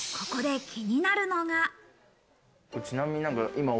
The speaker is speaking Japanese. ここここで気になるのが。